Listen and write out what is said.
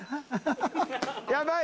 やばい！